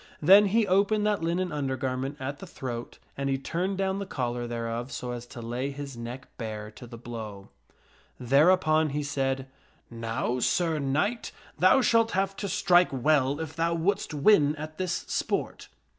Then he opened that linen undergarment at the throat and he turned down the collar thereof so as to lay his neck bare to the blow. Thereupon he said, " Now, Sir Knight, thou shalt have to strike, well if thou wouldst win at this sport."